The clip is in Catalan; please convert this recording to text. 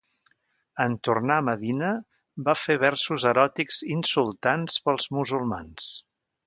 En tornar a Medina va fer versos eròtics insultants pels musulmans.